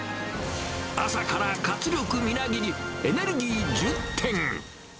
朝から活力みなぎり、エネルギー充填。